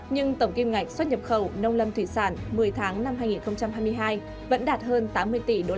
nhưng tổng kim ngạch xuất nhập khẩu nông lâm thủy sản một mươi tháng năm hai nghìn hai mươi hai vẫn đạt hơn tám mươi tỷ usd